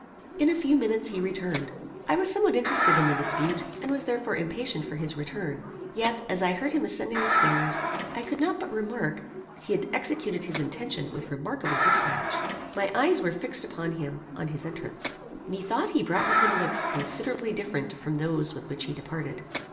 In a few minutes he returned. I was somewhat interested in the dispute, and was therefore impatient for his return; yet, as I heard him ascending the stairs, I could not but remark, that he had executed his intention with remarkable dispatch. My eyes were fixed upon him on his entrance. Methought he brought with him looks considerably different from those with which he departed.